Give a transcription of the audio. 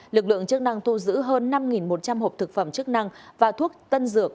lực lượng chức năng thu giữ hơn năm một trăm linh hộp thực phẩm chức năng và thuốc tân dược